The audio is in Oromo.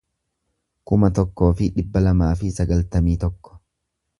kuma tokkoo fi dhibba lamaa fi sagaltamii tokko